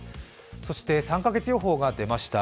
そして３か月予報が出ました。